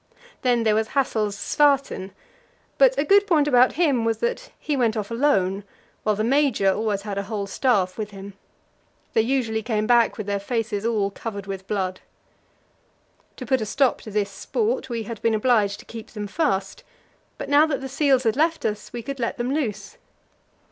Then there was Hassel's Svarten; but a good point about him was that he went off alone, while the Major always had a whole staff with him. They usually came back with their faces all covered with blood. To put a stop to this sport we had been obliged to keep them fast; but now that the seals had left us, we could let them loose.